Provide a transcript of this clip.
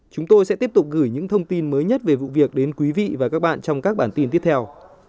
chúng tôi sẽ tiếp tục gửi những thông tin mới nhất về vụ việc đến quý vị và các bạn trong các bản tin tiếp theo